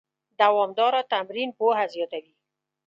دوامداره تمرین پوهه زیاتوي.